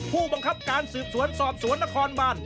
ผู้บังคับการสืบสวนสอบสวนนครบาน